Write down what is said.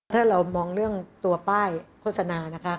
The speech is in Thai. ถ้าเรามองเรื่องตัวป้ายโฆษณานะคะ